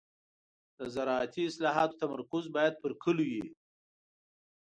د زراعتي اصلاحاتو تمرکز باید پر کليو وي.